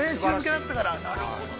◆なるほどな。